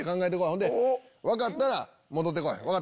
ほんで分かったら戻ってこい。